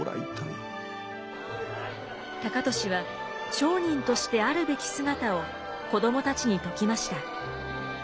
高利は商人としてあるべき姿を子どもたちに説きました。